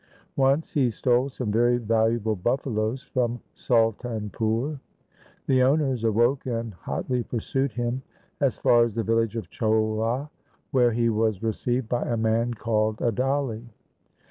Once he stole some very valu able buff aloes from Sultanpur. The owners awoke and hotly pursued him as far as the village of Cholha, where he was received by a man called Adali.